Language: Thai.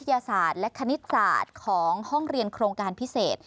ยาศาสตร์และคณิตศาสตร์ของห้องเรียนโครงการพิเศษ